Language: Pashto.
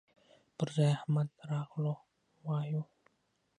پر ځاى احمد راغلهووايو